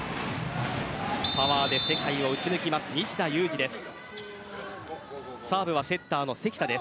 パワーで世界を打ち抜きます西田有志です。